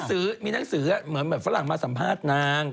หรือมีหนังสือเหมือนแบบฝรั่งมาสัมภาษณ์นาง